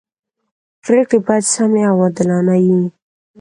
پریکړي باید سمي او عادلانه يي.